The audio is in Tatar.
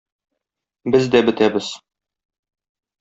без дә бетәбез!